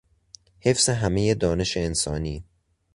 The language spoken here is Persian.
حفظ همهی دانش انسانی